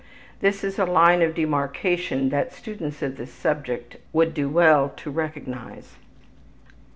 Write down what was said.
This is a line of demarcation that students of this subject would do well to recognize.